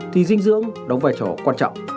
thì dinh dưỡng đóng vai trò quan trọng